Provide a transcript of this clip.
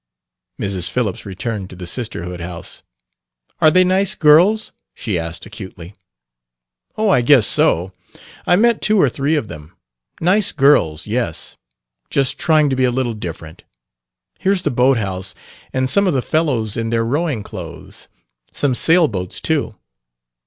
Mrs. Phillips returned to the Sisterhood house. "Are they nice girls?" she asked acutely. "Oh, I guess so. I met two or three of them. Nice girls, yes; just trying to be a little different. Here's the boat house, and some of the fellows in their rowing clothes. Some sail boats too."